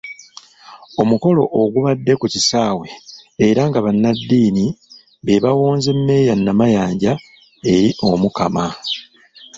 Omukolo ogubadde ku kisaawe era nga bannaddiini be bawonze Mmeeya Namayanja eri Omukama.